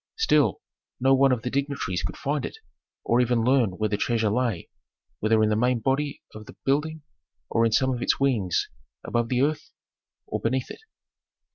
Still, no one of the dignitaries could find it, or even learn where the treasure lay, whether in the main body of the building or in some of its wings, above the earth or beneath it.